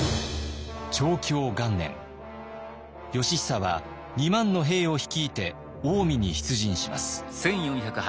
義尚は２万の兵を率いて近江に出陣します。